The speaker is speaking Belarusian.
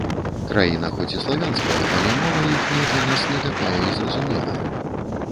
Краіна хоць і славянская, але мова іхняя для нас не такая і зразумелая.